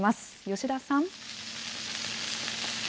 吉田さん。